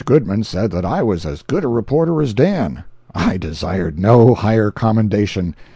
Goodman said that I was as good a reporter as Dan. I desired no higher commendation.